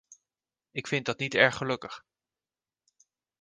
Ik vind dat niet erg gelukkig.